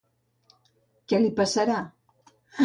Què li passarà?